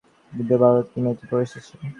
দ্বিতীয় বারও কি মেয়েটি পরে এসেছে?